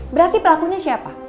berarti pelakunya siapa